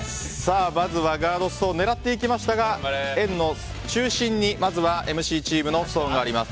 まずはガードストーン向かっていきましたが円の中心にまずはＭＣチームのストーンがあります。